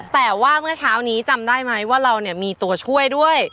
แต่ว่าเมื่อเช้านี้จำได้ไหมว่าเราเนี่ยมีตัวช่วยด้วย